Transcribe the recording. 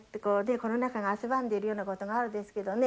この中が汗ばんでいるようなことがあるですけどね。